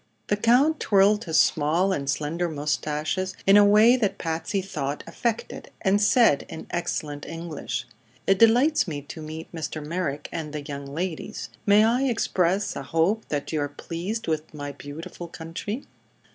The Count twirled his small and slender moustaches in a way that Patsy thought affected, and said in excellent English: "It delights me to meet Mr. Merrick and the young ladies. May I express a hope that you are pleased with my beautiful country?"